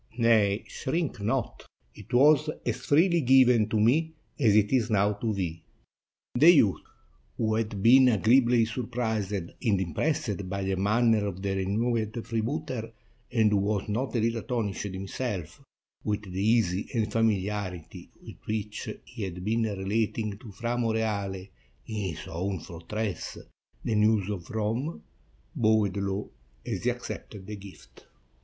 "Nay, shrink not; it was as freely given to me as it is now to thee." The youth, who had been agreeably surprised and impressed by the manner of the renowned freebooter, and who was not a little astonished himself with the ease and famiharity with which he had been relating to Fra Moreale, in his own fortress, the news of Rome, bowed low as he accepted the gift.